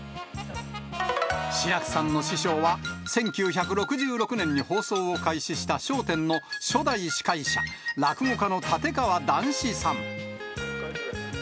志らくさんの師匠は、１９６６年に放送を開始した笑点の初代司会者、落語家の立川談志さん。